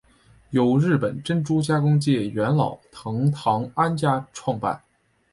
由日本珍珠加工界元老藤堂安家创办。